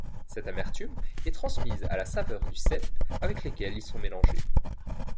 Cette amertume est transmise à la saveur du cèpe avec lequel ils sont mélangés.